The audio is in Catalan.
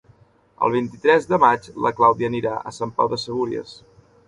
El vint-i-tres de maig na Clàudia anirà a Sant Pau de Segúries.